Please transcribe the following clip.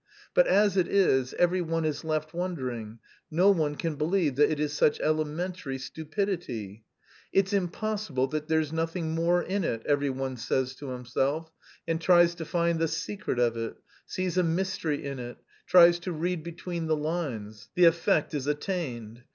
But as it is, every one is left wondering: no one can believe that it is such elementary stupidity. 'It's impossible that there's nothing more in it,' every one says to himself and tries to find the secret of it, sees a mystery in it, tries to read between the lines the effect is attained!